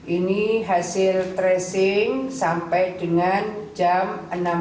ini hasil tracing sampai dengan jam enam belas